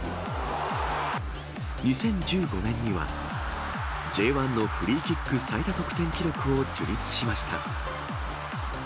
２０１５年には、Ｊ１のフリーキック最多得点記録を樹立しました。